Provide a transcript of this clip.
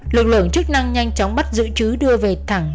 lực lượng chức năng nhanh chóng bắt giữ chứ đưa về thẳng